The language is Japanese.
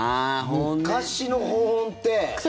昔の保温って。